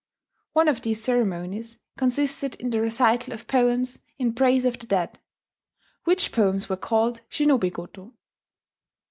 One of these ceremonies consisted in the recital of poems in praise of the dead, which poems were called shinobigoto.